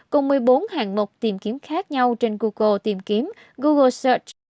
cùng một mươi bốn hạng mục tìm kiếm khác nhau trên google tìm kiếm google search